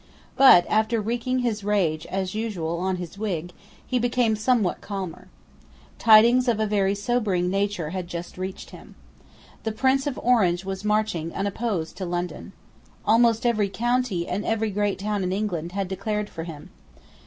But, after wreaking his rage, as usual, on his wig, he became somewhat calmer. Tidings of a very sobering nature had just reached him. The Prince of Orange was marching unopposed to London. Almost every county and every great town in England had declared for him.